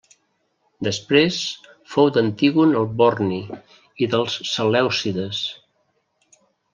Després, fou d'Antígon el Borni i dels selèucides.